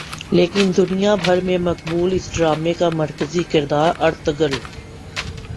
لیکن دنیا بھر میں مقبول اس ڈارمے کا مرکزی کردار ارطغرل